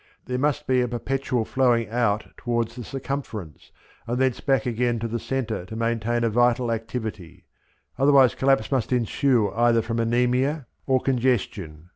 There must be a perpetual flowing out towards the circumference, and thence back again to the centre to maintain a vital activity; otherwise collapse must ensue either from anaemia or congestion.